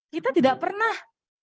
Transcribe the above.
kita tidak pernah